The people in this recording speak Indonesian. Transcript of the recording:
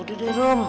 udah deh rom